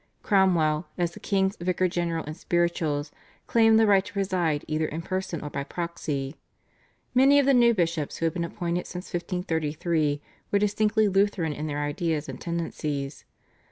Cromwell, as the king's vicar general in spirituals, claimed the right to preside either in person or by proxy. Many of the new bishops who had been appointed since 1533 were distinctly Lutheran in their ideas and tendencies.